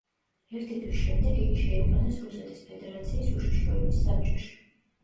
ერთი თვის შემდეგ, იგი შეიყვანეს რუსეთის ფედერაციის უშიშროების საბჭოში.